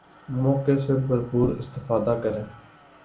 موقع سے بھرپور استفادہ کریں